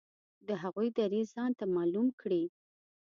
د هغوی دریځ ځانته معلوم کړي.